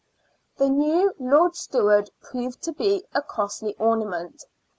The new Lord Steward proved to be a costly ornament.